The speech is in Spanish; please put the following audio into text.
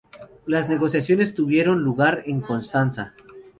Las negociaciones tuvieron lugar en Constanza.